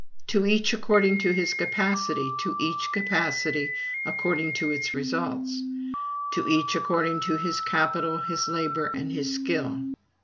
"To each according to his capacity, to each capacity according to its results." "To each according to his capital, his labor, and his skill."